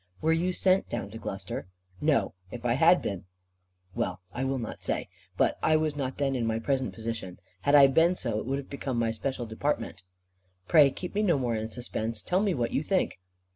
"Were you sent down to Gloucestershire?" "No. If I had been well, I will not say. But I was not then in my present position. Had I been so, it would have become my special department." "Pray keep me no more in suspense. Tell me what you think."